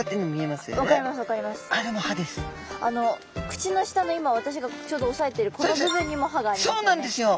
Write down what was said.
口の下の今私がちょうどおさえてるこの部分にも歯がありますね。